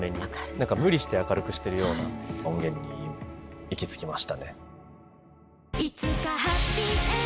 何か無理して明るくしてるような音源に行き着きましたね。